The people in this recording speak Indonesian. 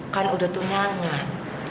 kamu harus membiasakan memanggil mama